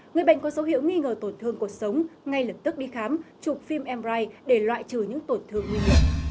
người bệnh có dấu hiệu nghi ngờ tổn thương cuộc sống ngay lập tức đi khám chụp phim mbrigh để loại trừ những tổn thương nguy hiểm